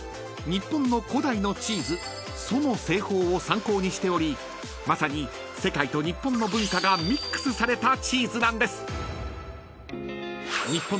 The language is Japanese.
日本の古代のチーズ蘇の製法を参考にしておりまさに世界と日本の文化がミックスされたチーズなんです］